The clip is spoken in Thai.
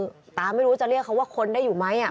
คือตาไม่รู้จะเรียกเขาว่าคนได้อยู่ไหม